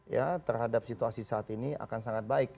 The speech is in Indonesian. ya terhadap situasi saat ini akan sangat baik